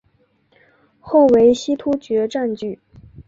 后为西突厥占据。